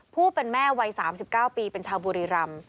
ผู้เป็นแม่วัย๓๙ปีเป็นชาวบุรีรำ